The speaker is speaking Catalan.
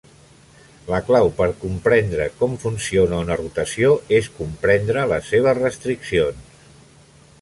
La clau per comprendre com funciona una rotació és comprendre les seves restriccions.